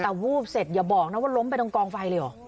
แต่วูบเสร็จอย่าบอกนะว่าล้มไปตรงกองไฟเลยเหรอ